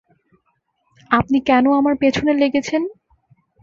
আপনি কেন আমার পেছনে লেগেছেন?